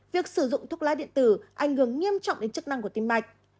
việc sử dụng thuốc lá điện tử ảnh hưởng nghiêm trọng đến chức năng của tim mạch